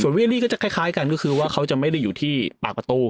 เวียรี่ก็จะคล้ายกันก็คือว่าเขาจะไม่ได้อยู่ที่ปากประตู